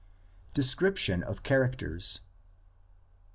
DESCRIPTION OF CHARACTERS.